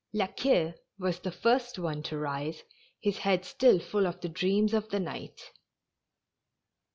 La Queue was the first one to rise, his head still full of the dreams of the night.